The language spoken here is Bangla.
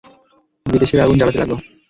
বিদ্বেষের আগুন জ্বালাতে লাগল।